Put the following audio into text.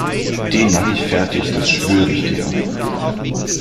Den mache ich fertig, das schwöre ich dir!